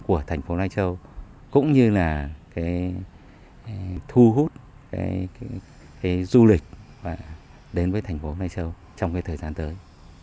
của thành phố lai châu cũng như là thu hút du lịch đến với thành phố lai châu trong thời gian tới